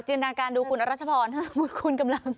จินดันการณ์ดูคุณรัชพรถ้าสมมุติคุณกำลัง